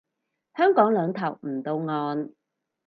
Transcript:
香港兩頭唔到岸